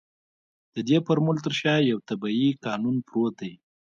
د دې فورمول تر شا يو طبيعي قانون پروت دی.